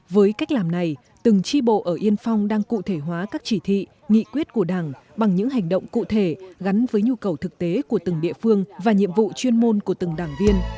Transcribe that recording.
với cách làm này từng tri bộ ở yên phong đang cụ thể hóa các chỉ thị nghị quyết của đảng bằng những hành động cụ thể gắn với nhu cầu thực tế của từng địa phương và nhiệm vụ chuyên môn của từng đảng viên